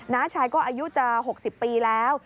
้าชายก็อายุจะ๖๐ปีแล้ว